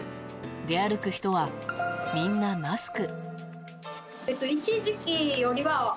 出歩く人は、みんなマスク。